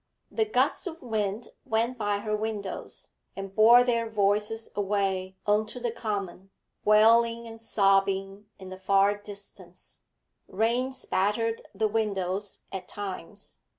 The gusts of wind went by her windows and bore their voices away on to the common, wailing and sobbing in the far distance; rain spattered the windows at times.